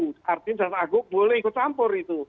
artinya jaksa agung boleh ikut campur itu